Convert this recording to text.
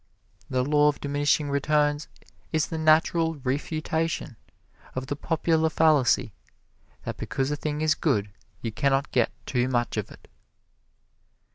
The Law of Diminishing Returns is the natural refutation of the popular fallacy that because a thing is good you can not get too much of it.